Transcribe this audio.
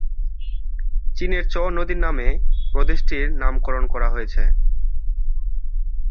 চীনের চ নদীর নামে প্রদেশটির নামকরণ করা হয়েছে।